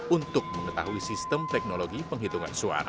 untuk mengetahui sistem teknologi penghitungan suara